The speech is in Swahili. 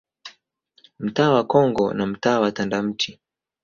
Mtaa wa Congo na mtaa wa Tandamti